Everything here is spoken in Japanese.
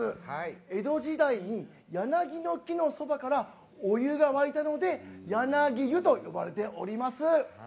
江戸時代に柳の木のそばからお湯がわいたので柳湯と呼ばれております。